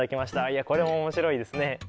いやこれも面白いですね。